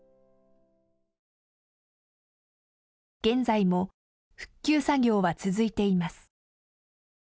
現在も復旧作業は続いています。